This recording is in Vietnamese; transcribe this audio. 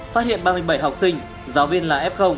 phát hiện ba mươi bảy học sinh giáo viên là f